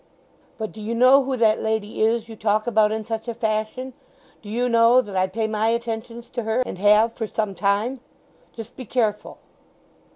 "But do you know who that lady is you talk about in such a fashion? Do you know that I pay my attentions to her, and have for some time? Just be careful!"